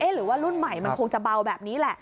หรือว่ารุ่นใหม่มันคงจะเบาแบบนี้แหละ